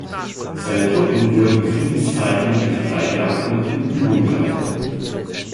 Seine Truppen wurden in Friedenszeiten durch Treibjagden in Übung gehalten.